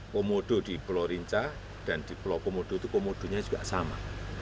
komodo di pulau rinca dan di pulau komodo itu komodonya juga sama